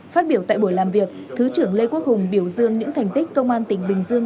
phát biểu tại buổi làm việc thứ trưởng lê quốc hùng biểu dương những thành tích công an tỉnh bình dương